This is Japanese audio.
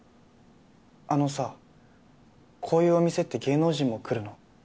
あのさこういうお店って芸能人も来るの？